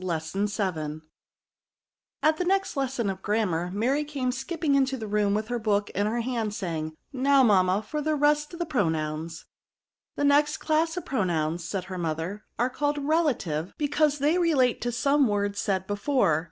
Lesson VII, At the next lesson of grammar^ Mary came skipping into the room with her book in her hand, saying, '^ Now, mamma, for the rest of the pronouns The next class of pronouns," said her mother, ^'are called relative, because they relate to some word said before.